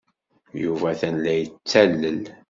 Yuba atan la yettalel.